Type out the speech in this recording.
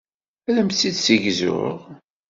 Ad am-tt-id-ssegzuɣ.